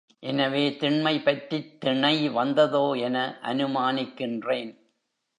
எனவே திண்மை பற்றித் திணை வந்ததோ என அனுமானிக்கின்றேன்.